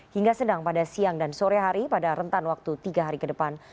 hingga sedang pada siang dan sore hari pada rentan waktu tiga hari ke depan